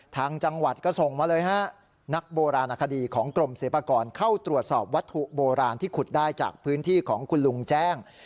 ทางจังหวัดก็ส่งมาเลยฮะนักโบราณอคดีของกรมศิลปากรเข้าตรวจสอบวัตถุโบราณที่ขุดได้จากพื้นที่ของคุณลุงแจ้ง